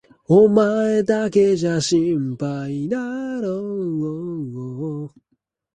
お前だけじゃ心配だろう？